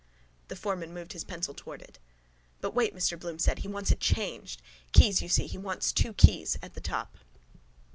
The foreman moved his pencil towards it. —But wait, Mr Bloom said. He wants it changed. Keyes, you see. He wants two keys at the top.